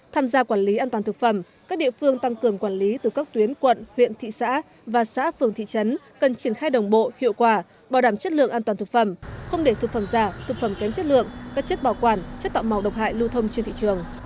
tham gia quản lý an toàn thực phẩm các địa phương tăng cường quản lý từ các tuyến quận huyện thị xã và xã phường thị trấn cần triển khai đồng bộ hiệu quả bảo đảm chất lượng an toàn thực phẩm không để thực phẩm giả thực phẩm kém chất lượng các chất bảo quản chất tạo màu độc hại lưu thông trên thị trường